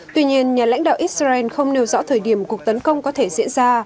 tuy nhiên nhà lãnh đạo israel không nêu rõ thời điểm cuộc tấn công có thể diễn ra